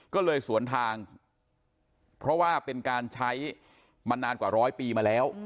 ก็เลยสวนทางเพราะว่าเป็นการใช้มานานกว่าร้อยปีมาแล้ว